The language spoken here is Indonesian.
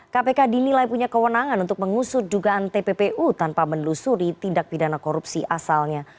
kpk dinilai punya kewenangan untuk mengusut dugaan tppu tanpa menelusuri tindak pidana korupsi asalnya